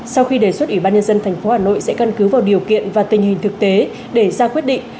sau khi đề xuất ủy ban nhân dân tp hà nội sẽ căn cứ vào điều kiện và tình hình thực tế để ra quyết định